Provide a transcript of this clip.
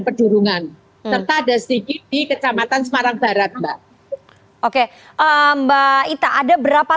pedulungan serta ada sedikit di kecamatan semarang barat mbak oke mbak ita ada berapa